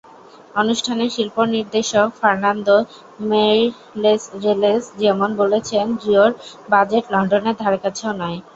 অনুষ্ঠানের শিল্পনির্দেশক Fernando Meirelles যেমন বলছেন, রিওর বাজেট লন্ডনের ধারেকাছেও নয়।